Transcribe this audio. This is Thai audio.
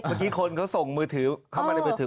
เมื่อกี้คนเขาส่งไปในมือถือ